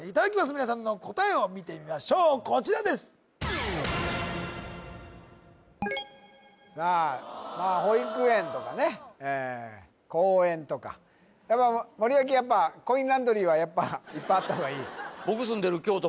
皆さんの答えを見てみましょうこちらですさあ保育園とかね公園とか森脇コインランドリーはやっぱいっぱいあった方がいい？